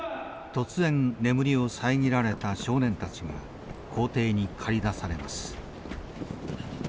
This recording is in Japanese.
突然眠りを遮られた少年たちが校庭に駆り出されます。